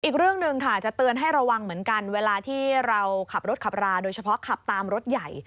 อีกเรื่องหนึ่งค่ะจะเตือนให้ระวังเหมือนกันเวลาที่เราขับรถขับราโดยเฉพาะขับตามรถใหญ่